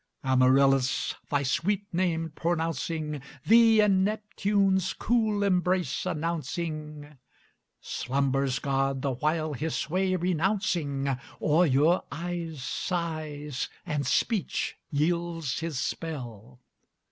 Amaryllis, thy sweet name pronouncing, Thee in Neptune's cool embrace announcing. Slumber's god the while his sway renouncing, O'er your eyes sighs, and speech yields his spell.